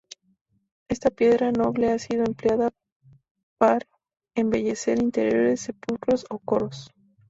Esta piedra noble ha sido empleada par embellecer interiores, sepulcros o coros.